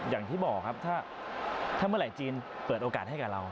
อย่างที่บอกครับถ้าเมื่อไหร่จีนเปิดโอกาสให้กับเรา